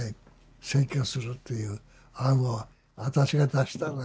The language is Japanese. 占拠するっていう案を私が出したのよ。